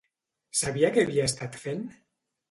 Sabia què havia estat fent?